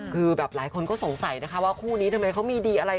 คืออ่ารายคนก็สงสัยว่าคู่นี้จะให้มีดีอะไร